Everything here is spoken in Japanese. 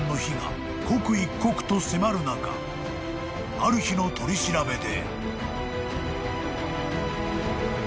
［ある日の取り調べで］